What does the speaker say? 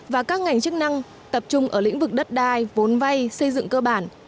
và các ngành chức năng tập trung ở lĩnh vực đất đai vốn vay xây dựng cơ bản